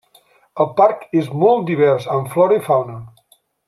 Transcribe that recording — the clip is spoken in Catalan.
El parc és molt divers en flora i fauna.